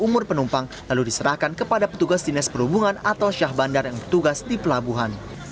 umur penumpang lalu diserahkan kepada petugas dinas perhubungan atau syah bandar yang bertugas di pelabuhan